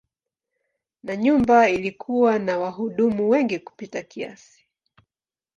Na nyumba ilikuwa na wahudumu wengi kupita kiasi.